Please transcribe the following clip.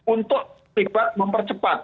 untuk tiba mempercepat